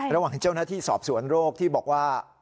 ระหว่างเจ้าหน้าที่สอบสวนโรคที่บอกว่า